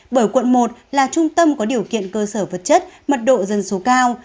bởi quận một là trung tâm có điều kiện cơ sở vật chất mật độ dân số cao